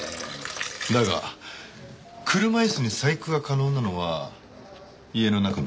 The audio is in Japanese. だが車椅子に細工が可能なのは家の中の人間だけ。